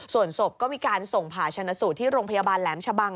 ส่วนศพก็มีการส่งผ่าชนะสูตรที่โรงพยาบาลแหลมชะบัง